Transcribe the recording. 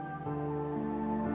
kamu harus mencoba untuk mencoba